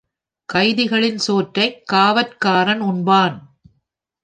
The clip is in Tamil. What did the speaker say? கைதிகளின் சோற்றைக் காவற்காரன் உண்பான்.